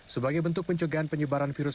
sebagai bentuk pencegahan penyebaran virus